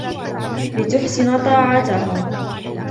لِتَحْسُنَ طَاعَتُهَا